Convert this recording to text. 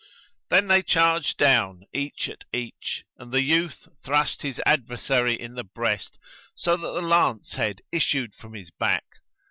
Then they charged down, each at each, and the youth thrust his adversary in the breast so that the lance head issued from his back.